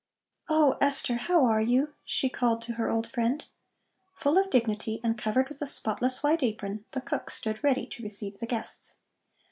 "Oh, Esther, how are you?" she called to her old friend. Full of dignity and covered with a spotless white apron, the cook stood ready to receive the guests.